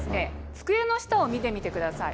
机の下を見てみてください。